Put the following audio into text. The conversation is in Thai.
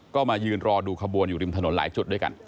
ก็มายืนรอดูขบวนอยู่ริมถนนหลายจุดด้วยกัน